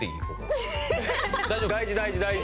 大事大事大事。